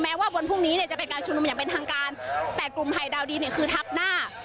ว่าวันพรุ่งนี้เนี่ยจะเป็นการชุมนุมอย่างเป็นทางการแต่กลุ่มภัยดาวดินเนี่ยคือทับหน้า